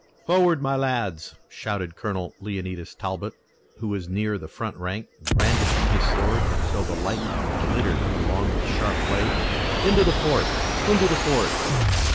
"Forward, my lads!" shouted Colonel Leonidas Talbot, who was near the front rank, brandishing his sword until the light glittered along its sharp blade. "Into the fort! Into the fort!"